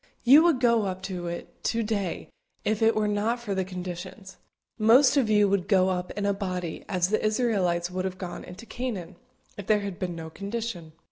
You would go up to it to day if it were not for the conditions; most of you would go up in a body, as the Israelites would have gone into Canaan, if there had been no condition.